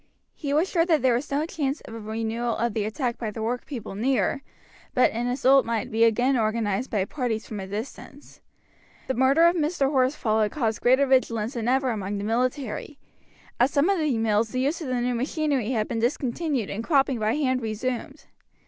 He was sure that there was no chance of a renewal of the attack by the workpeople near, but an assault might be again organized by parties from a distance. The murder of Mr. Horsfall had caused greater vigilance than ever among the military. At some of the mills the use of the new machinery had been discontinued and cropping by hand resumed.